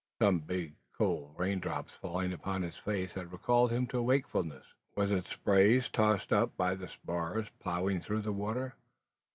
Some big, cold rain drops falling upon his face had recalled him to wakefulness. Was it spray tossed up by the spars ploughing through the water?